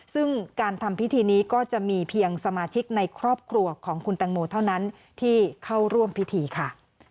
ซึ่งการทำพิธีนี้ก็จะมีเพียงสมาชิกในครอบครัวของคุณแตงโมเท่านั้นที่เข้าร่วมพิธีค่ะ